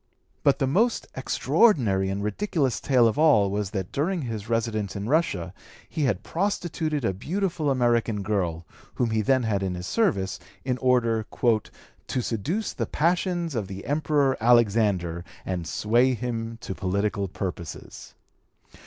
But the most extraordinary and ridiculous tale of all was that during his residence in Russia he had prostituted a beautiful American girl, whom he then had in his service, in order "to seduce the passions of the Emperor Alexander (p. 210) and sway him to political purposes."